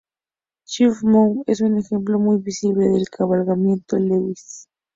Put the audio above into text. Chief Mountain es un ejemplo muy visible del cabalgamiento Lewis.